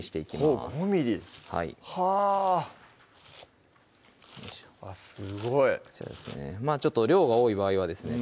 すごいちょっと量が多い場合はですね